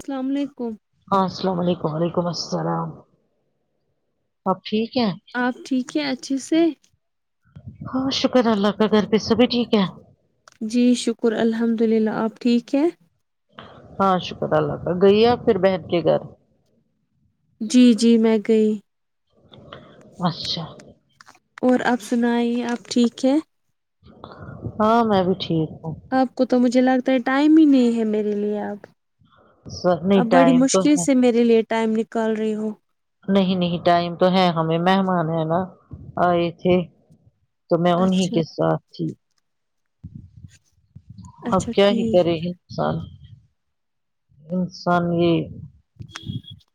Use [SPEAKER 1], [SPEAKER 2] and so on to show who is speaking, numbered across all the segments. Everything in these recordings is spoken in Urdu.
[SPEAKER 1] السلام علیکم
[SPEAKER 2] ہاں السلام علیکم وعلیکم السلام آپ ٹھیک ہیں
[SPEAKER 1] آپ ٹھیک ہیں اچھے سے
[SPEAKER 2] ہاں شکر اللہ کا گھر پہ سبھی ٹھیک ہے
[SPEAKER 1] جی شکر الحمد للہ آپ ٹھیک ہیں
[SPEAKER 2] ہاں شکر اللہ کا گئی آپ پھر بہن کے گھر
[SPEAKER 1] جی جی میں گئی
[SPEAKER 2] اچھا
[SPEAKER 1] اور آپ سنائیے آپ ٹھیک ہے
[SPEAKER 2] ہاں میں بھی ٹھیک ہوں
[SPEAKER 1] آپ کو تو مجھے لگتا ہے ٹائم ہی نہیں ہے میرے لیے اب
[SPEAKER 2] سر
[SPEAKER 1] اب
[SPEAKER 2] نہیں
[SPEAKER 1] بڑی
[SPEAKER 2] ٹائم تو
[SPEAKER 1] مشکل
[SPEAKER 2] ہے
[SPEAKER 1] سے میرے لیے ٹائم نکال رہی ہو
[SPEAKER 2] نہیں نہیں ٹائم تو ہے ہمیں مہمان ہے نا آئے تھے تو میں انیں
[SPEAKER 1] اچھا
[SPEAKER 2] کے ساتھ تھی
[SPEAKER 1] اچھا
[SPEAKER 2] اب کیا ہی
[SPEAKER 1] ٹھیک
[SPEAKER 2] کرے گی سال انسان یہ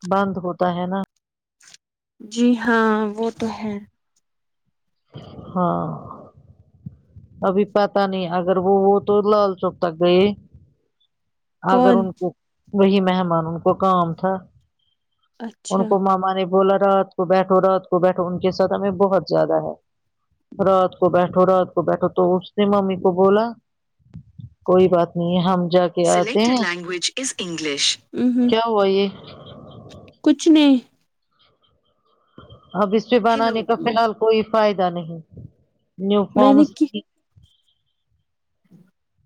[SPEAKER 2] بند ہوتا ہے نا
[SPEAKER 1] جی ہاں وہ تو ہے
[SPEAKER 2] ہاں ابھی پتاہ نہیں اگر وہ وہ تو لال چوک تک گئے ہے اگر
[SPEAKER 1] کون
[SPEAKER 2] ان کو وہی مہمان ان کو کام تھا ان
[SPEAKER 1] اچھا
[SPEAKER 2] کو ماما نے بولا رات کو بیٹھو رات کو بیٹھو ان کے ساتھ ہمیں بہت زیادہ ہے رات کو بیٹھو را بیٹھا تو اس نے ممی کو بولا کوئی بات نہیں ہم جا کے کہ آتے
[SPEAKER 1] سلیکٹڈ
[SPEAKER 2] ہیں
[SPEAKER 1] لینگویج از انگلش ہ ہ
[SPEAKER 2] کیا ہوا یہ
[SPEAKER 1] کچھ نہیں
[SPEAKER 2] اب اس پے
[SPEAKER 1] ہیلو
[SPEAKER 2] بنانے کا فی الحال کوئی فائدہ نہیں نیو
[SPEAKER 1] میں نے
[SPEAKER 2] فارمس
[SPEAKER 1] کی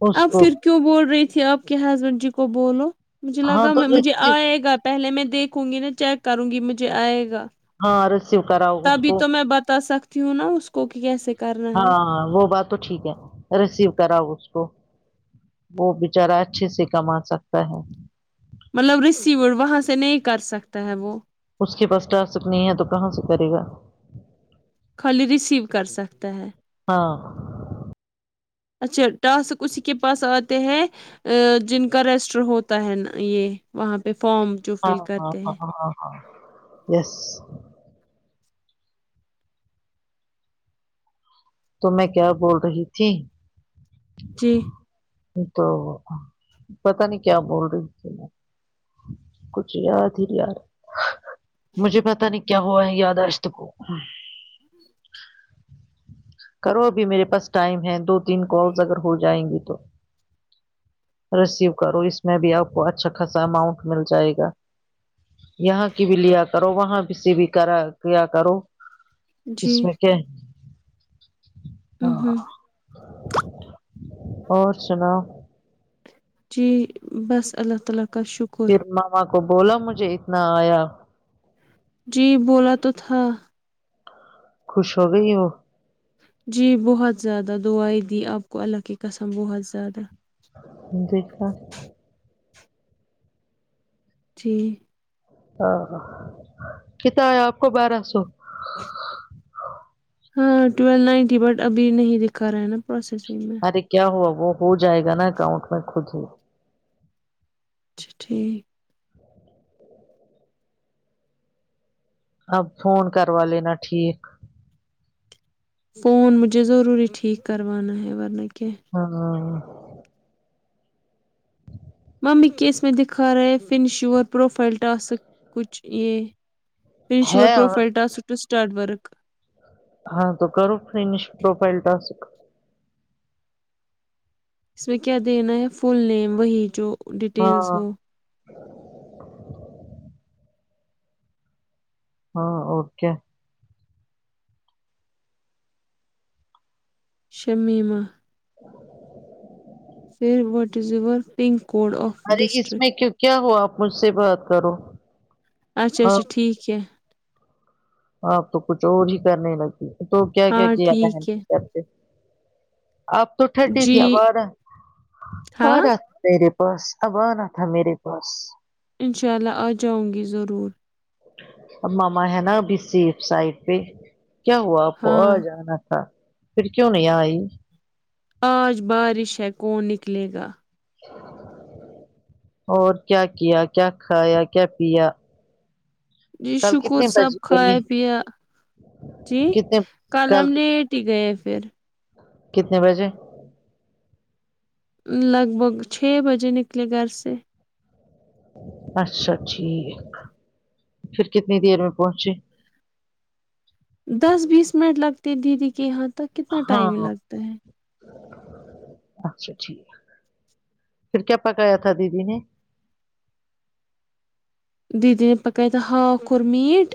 [SPEAKER 2] اس
[SPEAKER 1] اب
[SPEAKER 2] کو
[SPEAKER 1] پھر کیوں بول رہی تھی آپ کے ہسبینڈ جی کو بولو مجھے
[SPEAKER 2] ہاں
[SPEAKER 1] لگا
[SPEAKER 2] تو
[SPEAKER 1] میں مجھے
[SPEAKER 2] رسیو
[SPEAKER 1] آئے گا پہلے میں دیکھوں گی نا چیک کروں گی مجھے آئے گا
[SPEAKER 2] ہاں رسیو کراؤ اس
[SPEAKER 1] تبھی
[SPEAKER 2] کو
[SPEAKER 1] تو میں بتا سکتی ہوں نا اس کو کہ کیسے کرنا ہے
[SPEAKER 2] ہاں وہ بات تو ٹھیک ہے ریسیو کراؤ اس کو وہ بچارا اچھے سے کما سکتا ہے
[SPEAKER 1] مطلب ریسیوڈ وہاں سے نہیں کر سکتا ہے وہ
[SPEAKER 2] اس کے پاس ٹا سک نہیں ہے تو کہاں سے کرے گا
[SPEAKER 1] خالی ریسیو کر سکتا ہے
[SPEAKER 2] ہاں
[SPEAKER 1] اچھا ٹاسک اسی کے پاس آتے ہیں ا جن کا رجسٹر ہوتا ہے یہ وہاں پہ فارم جو
[SPEAKER 2] ہاں
[SPEAKER 1] فل
[SPEAKER 2] ہاں
[SPEAKER 1] کرتے ہیں
[SPEAKER 2] ہاں ہاں ہاں یس تو میں کیا بول رہی تھی
[SPEAKER 1] جی
[SPEAKER 2] تو پتا نہیں کیا بول رہی تھی میں کچھ یاد ہی یار مجھے پتا نہیں کیا [unintelligible] کرو ابھی میرے پاس ٹائم ہے دو تین کالز اگر ہو جائیں گی تو ریسیو کرو اس میں بھی آپ کو اچھا خاصا اماؤنٹ مل جائے گا یہاں کی بھی لیا کرو وہاں سے بھی کرا کیا کرو اس
[SPEAKER 1] جی
[SPEAKER 2] میں کیا ہے
[SPEAKER 1] ہ
[SPEAKER 2] ہاں
[SPEAKER 1] ہ
[SPEAKER 2] اور سناؤ
[SPEAKER 1] جی بس اللہ تعالی کا شکر
[SPEAKER 2] پھر ماما کو بولو مجھے اتنا آیا
[SPEAKER 1] جی بولا تو تھا
[SPEAKER 2] خوش ہوگئی وہ
[SPEAKER 1] جی بہت زیادہ دعائی دی آپ کو اللہ کی قسم بہت زیادہ
[SPEAKER 2] [unintelligible]
[SPEAKER 1] جی
[SPEAKER 2] ہاں ہاں کتنا آیا آپ کو بارہ سو
[SPEAKER 1] ہاں ٹویلو نائنٹی بٹ ابھی نہیں دکھا رہا ہے ناں پروسیسنگ میں
[SPEAKER 2] ارے کیا ہوا وہ ہوجائے گا ناں اکاؤنٹ میں خود ہی
[SPEAKER 1] اچھا ٹھیک
[SPEAKER 2] اب فون کروا لینا ٹھیک
[SPEAKER 1] فون مجھے ضروری ٹھیک کروانا ہے ورنہ کیا
[SPEAKER 2] ہاں [inaudible]
[SPEAKER 1] ممی کیس میں دکھا را ہے فنش یور پروفائل ٹاسک کچھ یہ فنش یور
[SPEAKER 2] ہے اور
[SPEAKER 1] profile task to start work
[SPEAKER 2] ہاں تو کرو فنش پروفائل ٹاسک
[SPEAKER 1] اس میں کیا دینا ہے فل نیم وہی جو
[SPEAKER 2] ہاں
[SPEAKER 1] ڈیٹیلس وہ
[SPEAKER 2] ہاں اور کے
[SPEAKER 1] شمیمہ
[SPEAKER 2] [inaudible]
[SPEAKER 1] پھر what is your pin code of
[SPEAKER 2] ارے اس
[SPEAKER 1] ڈسٹرک
[SPEAKER 2] میں کیوں کیا ہو آپ مجھ سے بات کرو
[SPEAKER 1] اچھا
[SPEAKER 2] ہاں
[SPEAKER 1] اچھا ٹھیک ہے
[SPEAKER 2] آپ تو کچھ اور ہی کرنے لگتی تو کیا کیا
[SPEAKER 1] ہاں
[SPEAKER 2] کیا تھا ہم
[SPEAKER 1] ٹھیک ہے
[SPEAKER 2] نے اب تو ٹھنڈی تھی
[SPEAKER 1] جی
[SPEAKER 2] ابارہ
[SPEAKER 1] ہاں
[SPEAKER 2] بارہ میرے بس اب آنا تھا میرے پاس
[SPEAKER 1] انشاء اللہ آجاؤں گی ضرور
[SPEAKER 2] آب ماما ہے ناں ابھی سیف سائڈ پہ کیا ہوا آپ کو
[SPEAKER 1] ہاں
[SPEAKER 2] آج آنا تھا پھر کیوں نہیں آئی
[SPEAKER 1] آج بارش ہے کون نکلے گا
[SPEAKER 2] اور کیا کیا کیا کھایا کیا پیا
[SPEAKER 1] جی
[SPEAKER 2] کل
[SPEAKER 1] شکر
[SPEAKER 2] کتنے
[SPEAKER 1] سب
[SPEAKER 2] بج گئے
[SPEAKER 1] کھایا پیا جی کل ہم نے ٹی گئے پھر
[SPEAKER 2] کتنے بجے
[SPEAKER 1] لگ بھگ چھ بجے نکلے گھر سے
[SPEAKER 2] اچھا ٹھیک پھر کتنی دیر میں پہنچے
[SPEAKER 1] دس بیس منٹ لگتے ہے دیدی کے یہاں تک کتنا ٹائم ہی
[SPEAKER 2] ہاں
[SPEAKER 1] لگتا ہے
[SPEAKER 2] اچھا ٹھیک ہے پھر کیا پکایا تھا دیدی نے
[SPEAKER 1] دیدی نے پکائی تھا ہاک اور میٹ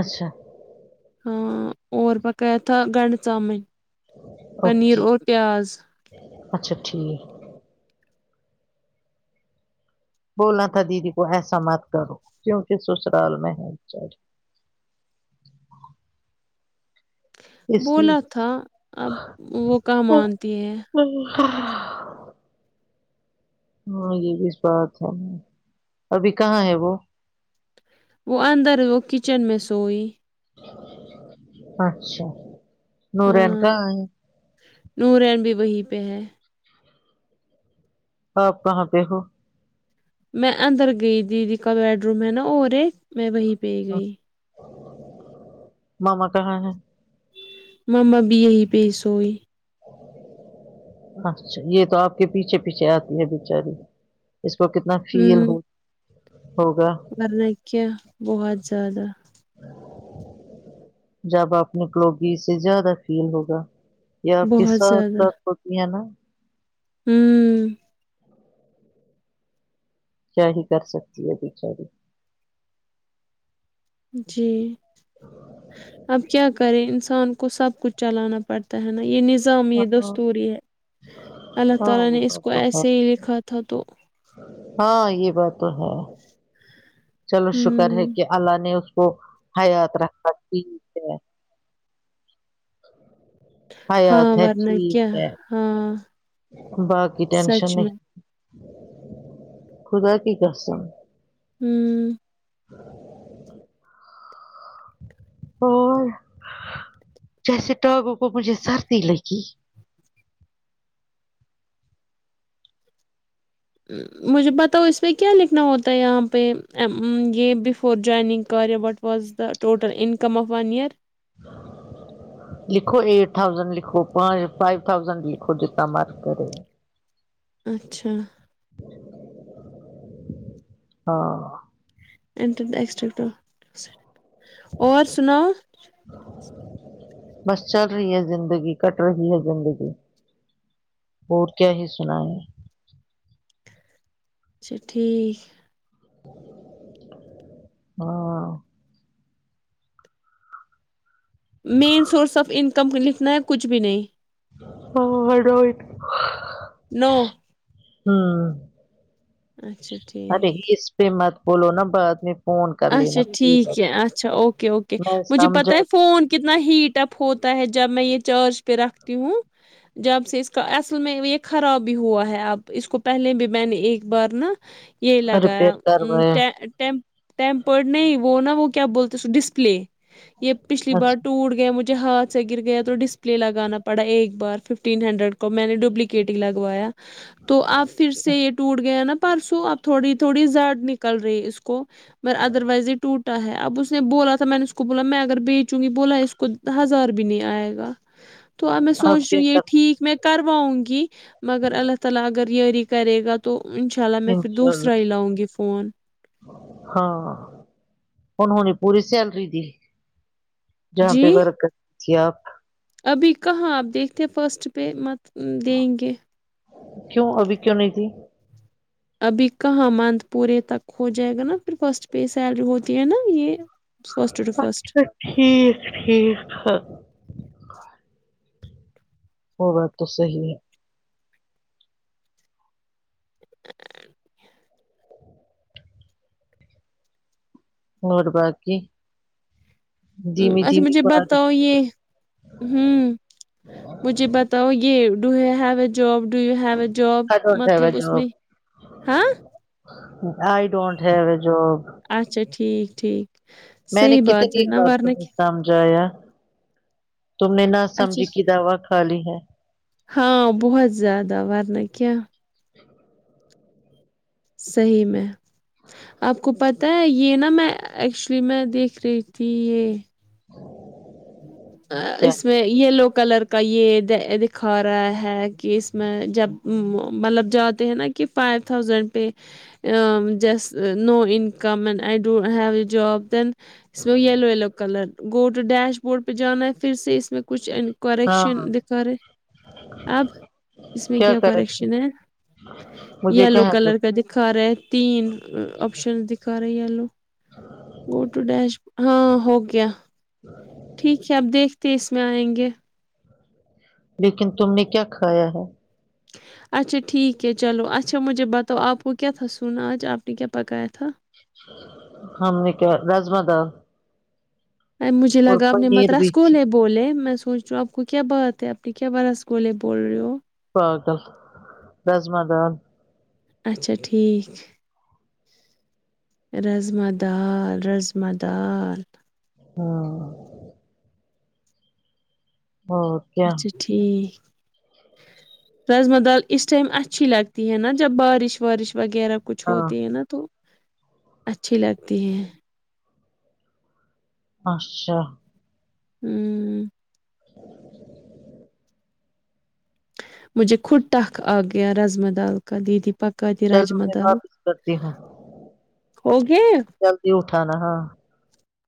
[SPEAKER 2] اچھا
[SPEAKER 1] ہاں اور بقایا تھا گنڈ چاؤمن پنیر
[SPEAKER 2] اوکے
[SPEAKER 1] اور پیاز
[SPEAKER 2] اچھا ٹھیک بولنا تھا دیدی کو ایسا مت کرو کیونکہ سسرال میں ہے اس لیے
[SPEAKER 1] بولا تھا اب وہ کہاں مانتی ہے
[SPEAKER 2] [unintelligible] ہاں یہ بھی بات ہے ابھی کہاں ہے وہ
[SPEAKER 1] وہ اندر وہ کچن میں سوئی
[SPEAKER 2] اچھا نوران
[SPEAKER 1] ہاں
[SPEAKER 2] کہا ہے
[SPEAKER 1] نورین بھی وہیں پہ ہے
[SPEAKER 2] آپ کہاں پہ ہو
[SPEAKER 1] میں اندر گئی دیدی کا بیڈ روم ہے نا اور ایک میں وہیں پہ گئی
[SPEAKER 2] ماما کہاں ہیں
[SPEAKER 1] مما بھی یہی پہ سوئی
[SPEAKER 2] اچھا یہ تو آپ کے پیچھے پیچھے آتی ہے بچاری اس کو کتنا فیل ہو ہوگا
[SPEAKER 1] ورنا کیا بہت زیادہ
[SPEAKER 2] جب آپ نے کوگی سے زیادہ فیل ہوگا یہ آپ کے
[SPEAKER 1] بہت
[SPEAKER 2] سات سات کپیا نا
[SPEAKER 1] ہمم
[SPEAKER 2] کیا ہی کر سکتی ہے بیچاری بھی
[SPEAKER 1] جی اب کیا کریں انسان کو سب کچھ چلانا پڑتا ہے نا یہ نز یہ نظم
[SPEAKER 2] ہاں
[SPEAKER 1] دستور ہی ہے اللہ
[SPEAKER 2] ہاں
[SPEAKER 1] تعالی
[SPEAKER 2] وہ
[SPEAKER 1] نے اس
[SPEAKER 2] بات
[SPEAKER 1] کو
[SPEAKER 2] تو ہے
[SPEAKER 1] ایسے ہی لکھا تھا تو
[SPEAKER 2] ہاں یہ بات تو ہے چلو شکر ہے
[SPEAKER 1] ہوں
[SPEAKER 2] کہ اللہ نے اس کو حیات رکھا ٹھیک سے حیات
[SPEAKER 1] ہاں
[SPEAKER 2] ہے
[SPEAKER 1] ورنہ
[SPEAKER 2] ٹھیک
[SPEAKER 1] کیا
[SPEAKER 2] ہے
[SPEAKER 1] ہاں
[SPEAKER 2] باقی ٹینشن
[SPEAKER 1] سچ میں
[SPEAKER 2] نہیں خدا کی قسم
[SPEAKER 1] ہوں
[SPEAKER 2] اور جیسے ٹاگو کو مجھے سردی لگی
[SPEAKER 1] مجھے بتاؤ اس پہ کیا لکھنا ہوتا ہے یہاں پہ یہ بفور جوائننگ کاریا but was the total income of one year
[SPEAKER 2] لکھو ایٹ تھاؤزینڈ لکھو پانچ فائیو تھاؤزینڈ لکھو جتنا مرض کرے
[SPEAKER 1] اچھا
[SPEAKER 2] ہاں
[SPEAKER 1] اینڈرس کا اور سناؤ
[SPEAKER 2] بس چل رہی ہے زندگی کٹ رہی ہے زندگی اور کیا ہی سنائیے ہے
[SPEAKER 1] اچھا ٹھیک
[SPEAKER 2] ہاں
[SPEAKER 1] مین سورس آف انکم لکھنا ہے کچھ بھی نہیں
[SPEAKER 2] ہاں بڈوئی
[SPEAKER 1] نو
[SPEAKER 2] ہاں
[SPEAKER 1] اچھا ٹھیک
[SPEAKER 2] ارے اس پہ مت بولو نا بعد میں فون کر
[SPEAKER 1] اچھا
[SPEAKER 2] لینا پلیز.
[SPEAKER 1] ٹھیک ہے اچھا اوکے اوکے
[SPEAKER 2] میں
[SPEAKER 1] مجھے پتہ ہے
[SPEAKER 2] سمجھا
[SPEAKER 1] فون کتنا ہیٹ اپ ہوتا ہے جب میں یہ چارج پہ رکھتی ہوں جب سے اس کا اصل میں یہ خراب بھی ہوا ہے اب اس کو پہلے بھی میں نے ایک بار نا یہ لگا
[SPEAKER 2] ریپیئر کر رہے ہیں.
[SPEAKER 1] یہ ٹپ ٹیمپرڈ نہیں وہ نا وہ کیا بولتے اس ڈسپلے یہ پچھلی بار
[SPEAKER 2] اچھا
[SPEAKER 1] ٹوٹ گیا مجھے ج ہاتھ سے گر گیا تو ڈسپلے لگانا پڑا ایک بار ففٹین ہنڈریڈ کو میں نے ڈبلیکیٹ ہی لگوایا تو آپ پھر سے یہ ٹوٹ گئے نا پرسوں اب تھوڑی تھوڑی زڈ نکل رہی ہے اس کو م ادر وائز یہ ٹوٹا ہے اب اس نے بولا تھا میں نے اس کو بولا میں اگر بیچوں گی بولا اس کو کچ ہزار بھی نہیں آئے گا تو اب میں سوچ
[SPEAKER 2] آپ
[SPEAKER 1] رہی
[SPEAKER 2] کیا
[SPEAKER 1] ہوں یہ
[SPEAKER 2] کر رہے
[SPEAKER 1] ٹھیک میں کرواؤں گی مگر اللہ تعالی اگر یری کرے گا تو تو انشاء اللہ
[SPEAKER 2] ہیں؟
[SPEAKER 1] میں پھر
[SPEAKER 2] انشاء
[SPEAKER 1] دوسرا ہی
[SPEAKER 2] اللہ
[SPEAKER 1] لاؤں گی فون
[SPEAKER 2] ہاں انہونے پوری سیلری دی جہاں پہ
[SPEAKER 1] جی
[SPEAKER 2] ورک کر تھی آپ
[SPEAKER 1] ابھی کہاں اب دیکھتے فسٹ پے مت دیں گے
[SPEAKER 2] کیوں ابھی کیوں نہیں دی
[SPEAKER 1] ابھی کہاں منتھ پورے تک ہو جائے گا نا پھر فرسٹ پے سیلری ہوتی ہے نا یہ فرسٹ ٹو فرسٹ
[SPEAKER 2] اچھا ٹھیک ٹھیک وہ بات تو صحیح ہے اور باقی دھیمی
[SPEAKER 1] اچھا
[SPEAKER 2] دھیمی
[SPEAKER 1] مجھے بتاؤ
[SPEAKER 2] بارش
[SPEAKER 1] یہ ھمم مجھے بتا تو یہ do you have a job do you have a job
[SPEAKER 2] I don't have
[SPEAKER 1] مطلب
[SPEAKER 2] اے
[SPEAKER 1] اس میں
[SPEAKER 2] جاب
[SPEAKER 1] ہاں
[SPEAKER 2] I don't have a job
[SPEAKER 1] اچھا ٹھیک ٹھیک
[SPEAKER 2] میں نے
[SPEAKER 1] صحیح بات ہے
[SPEAKER 2] کتنی
[SPEAKER 1] نا
[SPEAKER 2] بار
[SPEAKER 1] ورنا
[SPEAKER 2] تمہیں سمجھایا تم نے نہ
[SPEAKER 1] کیا اچھا
[SPEAKER 2] سمجھی کی دوا کھالی ہے
[SPEAKER 1] ہاں بہت زیادہ ورنا کیا صحیح میں آپ کو پتہ ہے یہ نا میں ایکچولی میں دیکھ رہی تھی یہ
[SPEAKER 2] کیا
[SPEAKER 1] اس میں یلو کلر کا یہ دکھا رہا ہے کہ اس میں جب مطلب جاتے ہیں نا کہ فائیو تھاؤزینڈ پے just no income and I don't have a job then اس میں yellow yellow colour go to dashboard پہ جانا ہے پھر سے اس میں کچھ
[SPEAKER 2] ہاں
[SPEAKER 1] کریکشن دکھا رہے اب اس میں کیا کریکشن ہے
[SPEAKER 2] مجھے
[SPEAKER 1] یلو
[SPEAKER 2] کہاں
[SPEAKER 1] کلر
[SPEAKER 2] تک
[SPEAKER 1] کا دکھا رہا ہے تین آپشن دکھا رہے یلو گوٹو ڈیش ہاں ہو گیا ٹھیک ہے اب دیکھتے اس میں آئیں گے
[SPEAKER 2] لیکن تم نے کیا کھایا ہے
[SPEAKER 1] اچھا ٹھیک ہے چلو اچھا مجھے بتاؤ آپ کو کیا تھا سنا آج آپ نے کیا پکایا تھا
[SPEAKER 2] ہم نے کیا راجما دال
[SPEAKER 1] مجھے
[SPEAKER 2] اور
[SPEAKER 1] لگا اپ نے
[SPEAKER 2] پنیر
[SPEAKER 1] مدراس
[SPEAKER 2] بھی تھی
[SPEAKER 1] کولے بولے میں سوچ رہا ہوں آپ کو کیا بات ہے آپ کے کیا برث بولے بول رہے ہو
[SPEAKER 2] پاگل راجما دال
[SPEAKER 1] اچھا ٹھیک رضما دال رضما دال
[SPEAKER 2] ہاں ہاں
[SPEAKER 1] اچھا ٹھیک رجما دال اس ٹائم اچھی لگتی ہے نا جب بارش وارش وغیرہ کچھ
[SPEAKER 2] ہاں
[SPEAKER 1] ہوتی ہے نا تو اچھی لگتی ہیں
[SPEAKER 2] اچھا
[SPEAKER 1] ہمم مجھے خود تٹخ آ گیا رازما دال کا دیدی پکا دی
[SPEAKER 2] چلو
[SPEAKER 1] راجما
[SPEAKER 2] میں
[SPEAKER 1] دال
[SPEAKER 2] واپس کرتی ہوں
[SPEAKER 1] ہو گئے
[SPEAKER 2] جلدی اٹھا نا ہاں